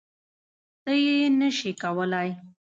ته یی نه سی کولای